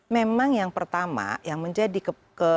memang yang pertama yang menjadi